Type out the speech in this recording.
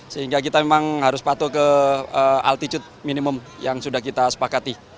sehingga kita memang harus patuh ke altitude minimum yang sudah kita sepakati